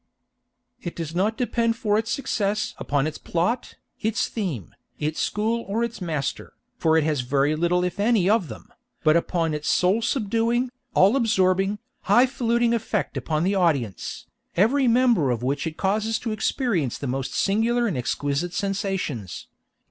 _ "It does not depend for its success" upon its plot, its theme, its school or its master, for it has very little if any of them, but upon its soul subduing, all absorbing, high faluting effect upon the audience, every member of which it causes to experience the most singular and exquisite sensations.